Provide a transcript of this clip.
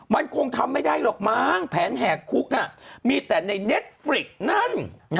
มันคงทำไม่ได้หรอกมั้งแผนแหกคุกน่ะมีแต่ในเน็ตฟริกนั่น